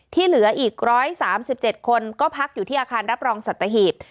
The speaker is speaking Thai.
ที่เหลืออีก๑๓๗คนก็พักอยู่ที่อาคารรับรองสัตหีบ